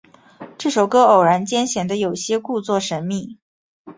这首歌偶然间显得有些故作神秘。